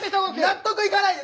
納得いかない！